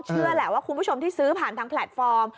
เชื่อแหละว่าคุณผู้ชมที่ซื้อผ่านทางแพลตฟอร์ม